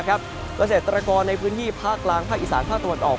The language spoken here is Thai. เกษตรกรในพื้นที่ภาคกลางภาคอีสานภาคตะวันออก